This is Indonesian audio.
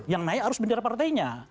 yang naik harus bendera partainya